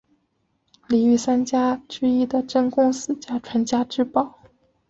里御三家之一的真宫寺家传家之宝。